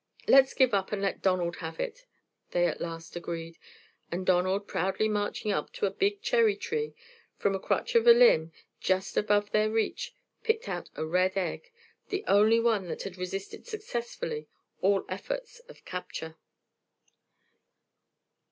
"Let's give up and let Donald have it," they at last agreed, and Donald, proudly marching up to a big cherry tree, from a crotch of a limb just above their reach picked out a red egg, the only one that had resisted successfully all efforts of capture.